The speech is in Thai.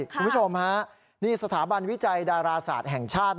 คุณผู้ชมฮะนี่สถาบันวิจัยดาราศาสตร์แห่งชาติ